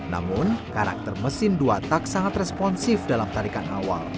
namun karakter mesin dua tak sangat responsif dalam tarikan awal